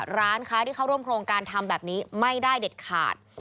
ร้านค้าที่เข้าร่วมโครงการทำแบบนี้ไม่ได้เด็ดขาด